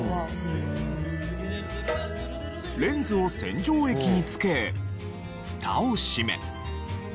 レンズを洗浄液につけフタを閉め。